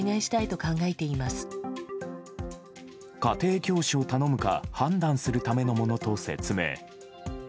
家庭教師を頼むか判断するためのものと説明。